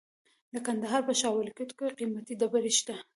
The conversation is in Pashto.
د کندهار په شاه ولیکوټ کې قیمتي ډبرې شته.